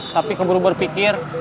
tapi keburu berpikir